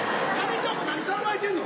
お前何考えてんの？